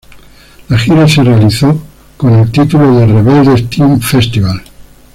La gira se realizó con el título de "Rebeldes Teen Festival".